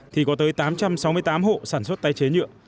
thì có tới tám trăm sáu mươi tám hộ sản xuất tái chế nhựa